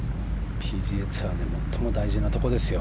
ＰＧＡツアーで最も大事なところですよ。